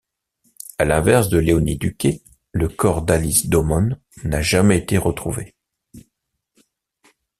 À l’inverse de Léonie Duquet, le corps d’Alice Domon n'a jamais été retrouvé.